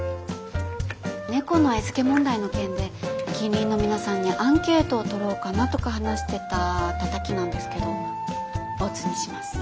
猫の餌付け問題の件で近隣の皆さんにアンケートを取ろうかなとか話してたたたきなんですけどボツにします。